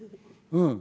うん。